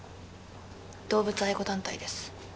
動物愛護団体です